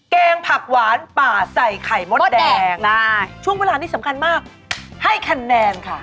แกงผักหวานป่าใส่ไข่มดแดงช่วงเวลานี้สำคัญมากให้คะแนนค่ะ